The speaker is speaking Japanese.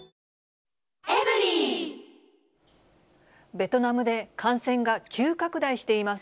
ベトナムで感染が急拡大しています。